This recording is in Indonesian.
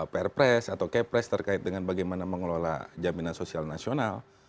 pr press atau k press terkait dengan bagaimana mengelola jaminan sosial nasional